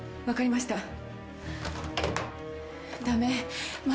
分かりました。